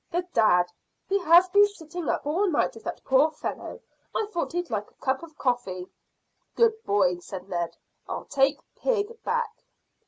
"The dad: he has been sitting up all night with that poor fellow. I thought he'd like a cup of coffee." "Good boy," said Ned. "I'll take pig back."